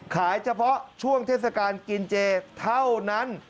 เฉพาะช่วงเทศกาลกินเจเท่านั้น